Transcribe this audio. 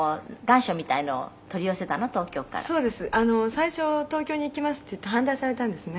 最初東京に行きますって言ったら反対されたんですね」